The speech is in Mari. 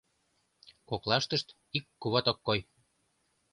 Коклаштышт ик куват ок кой.